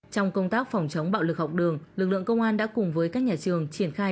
trong công tác phòng chống bạo lực học đường lực lượng công an đã cùng với các nhà trường triển khai